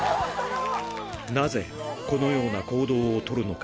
なぜこのような行動を取るのか。